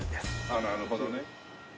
あっなるほどね。